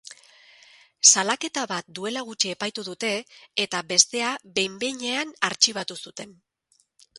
Salaketa bat duela gutxi epaitu dute, eta bestea behin-behinean artxibatu zuten.